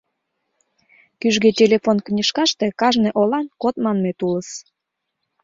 Кӱжгӧ телефон книжкаште кажне олан код манмет улыс.